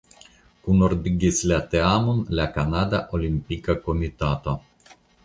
Kunordigis la teamon la Kanada Olimpika Komitato.